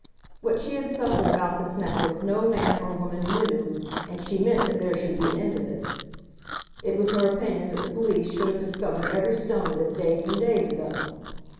What she had suffered about this necklace no man or woman knew, and she meant that there should be an end of it. It was her opinion that the police should have discovered every stone of it days and days ago.